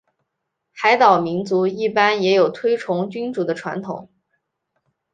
海岛民族一般也有尊崇君主的传统。